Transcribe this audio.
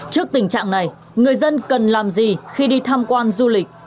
trước tình trạng này người dân cần làm gì khi đi tham quan du lịch